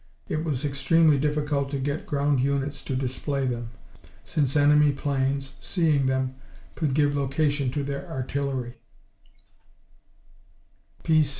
It was extremely difficult to get ground units to display them, since enemy planes, seeing them, could give location to their artillery.